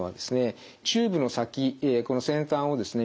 チューブの先この先端をですね